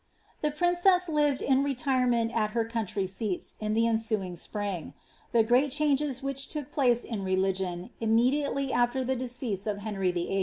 The princess lived in retirement at her country seats in the ensuing spring. The great changes which took place in religion, immediately after the decease of Henry VIII.